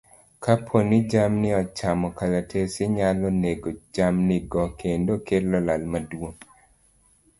Kapo ni jamni ochamo kalatese nyalo nego jamnigo kendo kelo lal maduong'.